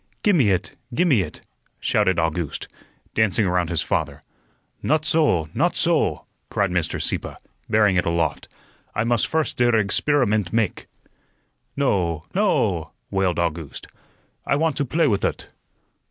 "Gi' me it, gi' me it," shouted August, dancing around his father. "Not soh, not soh," cried Mr. Sieppe, bearing it aloft. "I must first der eggsperimunt make." "No, no!" wailed August. "I want to play with ut."